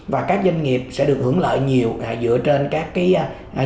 và các doanh nghiệp sẽ được hưởng lợi nhiều dựa trên các doanh nghiệp